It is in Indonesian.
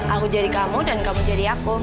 aku jadi kamu dan kamu jadi aku